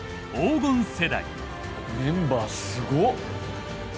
メンバーすごっ！